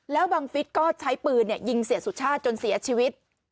แล้วบังฟิศก็ใช้ปืนยิงเสียสุชาติจนเสียชีวิต